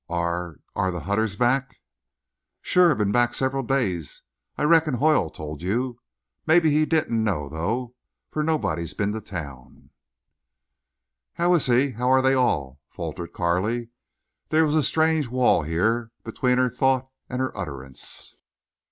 "Are—are the Hutters back?" "Sure. Been back several days. I reckoned Hoyle told you. Mebbe he didn't know, though. For nobody's been to town." "How is—how are they all?" faltered Carley. There was a strange wall here between her thought and her utterance.